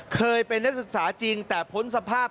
เคยเป็นนักศึกษาจริงแต่พ้นสภาพ